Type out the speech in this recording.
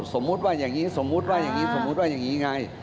สมมุติว่าอย่างนี้สมมุติว่าอย่างนี้